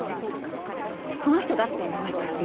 「この人だ！」って思いました。